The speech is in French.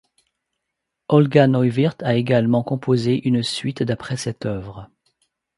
Olga Neuwirth a également composé une suite d'après cette œuvre.